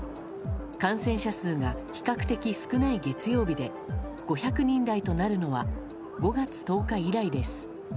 感染者数が比較的少ない月曜日で５００人台となるのは５月１０日以来です。